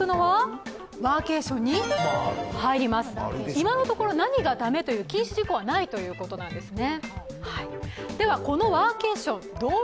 今のところ何がだめという禁止事項はないということなんですね。